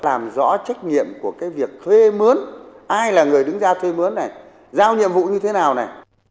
làm rõ trách nhiệm của cái việc thuê mướn ai là người đứng ra thuê mướn này giao nhiệm vụ như thế nào này